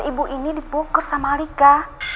ibu ini dipukul sama alika